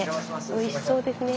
おいしそうですね。